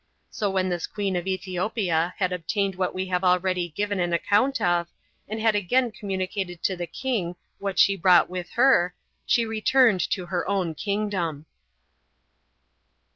So when this queen of Ethiopia had obtained what we have already given an account of, and had again communicated to the king what she brought with her, she returned to her own kingdom.